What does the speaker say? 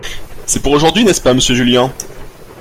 C’est pour aujourd’hui, n’est-ce pas, monsieur Julien ?